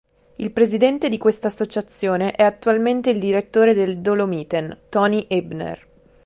Il presidente di questa associazione è attualmente il direttore del "Dolomiten", Toni Ebner.